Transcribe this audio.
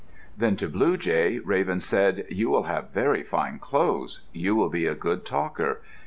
Then to Blue jay Raven said, "You will have very fine clothes. You will be a good talker.